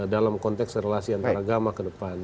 dalam konteks relasi antaragama kedepan